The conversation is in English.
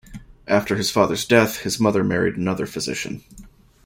After his father's death, his mother married another physician.